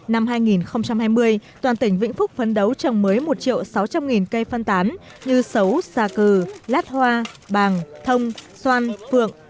năm hai nghìn hai mươi toàn tỉnh vĩnh phúc phấn đấu trồng mới một triệu sáu trăm linh nghìn cây phân tán như sấu xà cừ lát hoa bàng thông xoan phượng